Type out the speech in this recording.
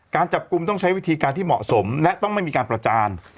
การจับกลุ่มต้องใช้วิธีการที่เหมาะสมและต้องไม่มีการประจาน